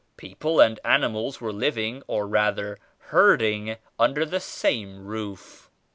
People and animals were living or rather herding under the same roof.